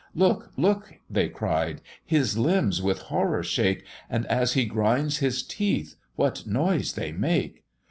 "Look! look!" they cried; "His limbs with horror shake And as he grinds his teeth, what noise they make!